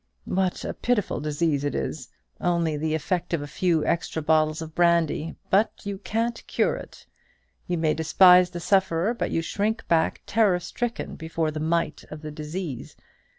What a pitiful disease it is! only the effect of a few extra bottles of brandy: but you can't cure it. You may despise the sufferer, but you shrink back terror stricken before the might of the disease.